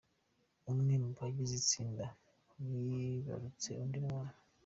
Umwe mu bagize itsinda yibarutse undi mwana